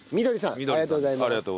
ありがとうございます。